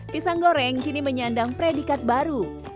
pisang goreng kini menyandang predikat baru